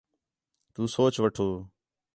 تو سوچ وٹھو